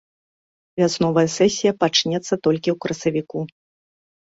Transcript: Вясновая сесія пачнецца толькі ў красавіку.